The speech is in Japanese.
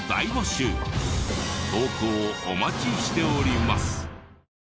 投稿お待ちしております。